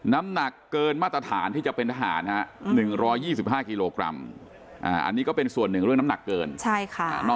น้ำหนักเกินมาตรฐานที่จะเป็นทหาร๑๒๕กิโลกรัม